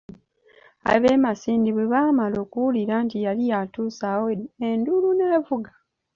Ab'e masindi bwe baamala okuwulira nti yali atuuse awo enduulu n'evuga.